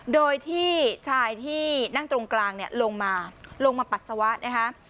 โดยที่ชายที่นั่งตรงกลางเนี่ยลงมาลงมาปัสสาวะนะคะ